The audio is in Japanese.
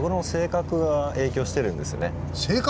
性格？